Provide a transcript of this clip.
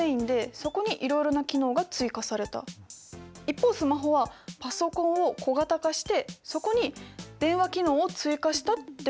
一方スマホはパソコンを小型化してそこに電話機能を追加したって感じだと思いますけど。